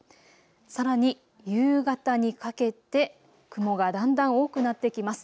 さらに夕方にかけて雲がだんだん多くなってきます。